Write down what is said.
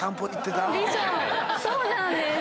そうなんです。